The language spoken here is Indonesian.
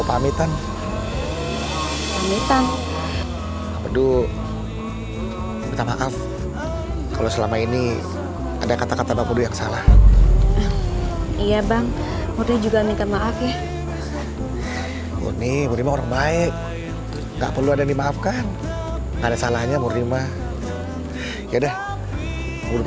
andai aja bang bedu tahu kalau mori itu cinta sama bang bedu